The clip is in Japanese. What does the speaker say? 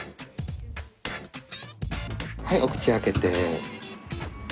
はいお口開けて。